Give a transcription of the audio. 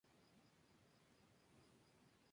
nosotras partiésemos